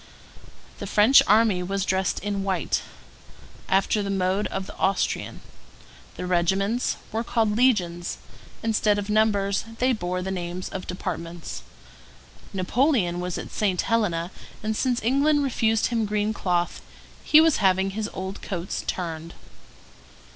The French army was dressed in white, after the mode of the Austrian; the regiments were called legions; instead of numbers they bore the names of departments; Napoleon was at St. Helena; and since England refused him green cloth, he was having his old coats turned.